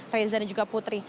reza dan juga putri